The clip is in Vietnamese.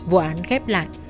vụ án khép lại